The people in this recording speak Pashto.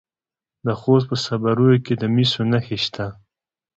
د خوست په صبریو کې د مسو نښې شته.